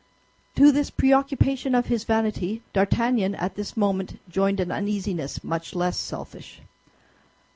To this preoccupation of his vanity, D'Artagnan at this moment joined an uneasiness much less selfish.